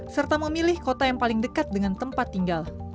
serta memilih kota yang paling dekat dengan tempat tinggal